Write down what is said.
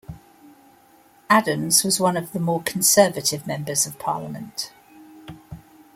Adams was one of the more conservative members of Parliament.